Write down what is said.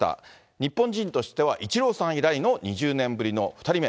日本人としてはイチローさん以来の２０年ぶりの２人目。